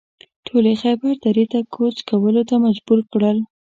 ټول یې خیبر درې ته کوچ کولو ته مجبور کړل.